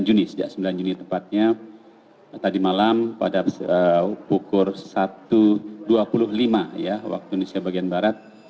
dua puluh juni sejak sembilan juli tepatnya tadi malam pada pukul satu dua puluh lima ya waktu indonesia bagian barat